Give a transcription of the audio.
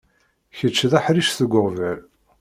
Kečč d aḥric seg uɣbel.